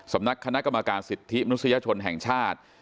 สำนักคณะกรรมการสิทธิมนุษยชนแห่งชาติ